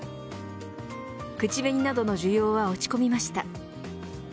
口紅などの需要は落ち込みました。